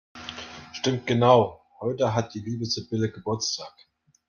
Stimmt genau, heute hat die liebe Sibylle Geburtstag!